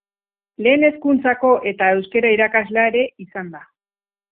Lehen hezkuntzako eta euskara irakaslea ere izan da.